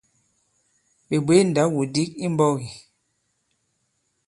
Ɓè bwě ndaw-wudǐk i mbɔ̄k ì ?